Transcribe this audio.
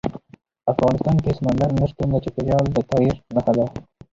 افغانستان کې سمندر نه شتون د چاپېریال د تغیر نښه ده.